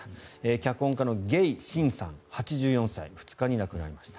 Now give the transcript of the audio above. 脚本家のゲイ・シンさん、８４歳２日に亡くなりました。